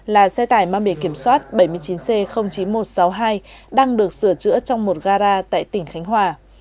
là xe tải mang bề kiểm soát bảy mươi chín c chín nghìn một trăm sáu mươi hai đang được sửa chữa trong một gara tại tỉnh khánh hòa